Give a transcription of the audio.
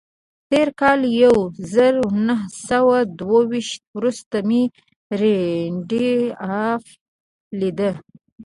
تر کال يو زر و نهه سوه دوه ويشت وروسته مې رينډالف ليده.